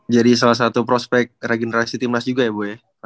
jadi salah satu prospek regenerasi timnas juga ya bu ya